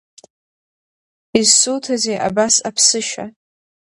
Изсуҭазеи абас аԥсышьа?